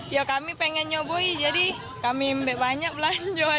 ya kami pengen nyoboi jadi kami banyak belanja